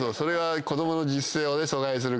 ⁉子供の自主性を阻害する。